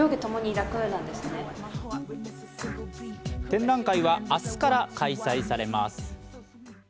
展覧会は明日から開催されます。